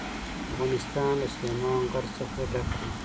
افغانستان له سلیمان غر څخه ډک دی.